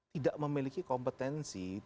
tidak memiliki kompetensi